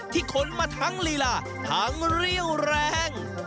ขนมาทั้งลีลาทั้งเรี่ยวแรง